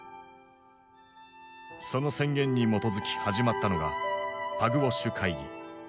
その宣言に基づき始まったのがパグウォッシュ会議。